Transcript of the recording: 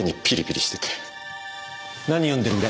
何読んでるんだ？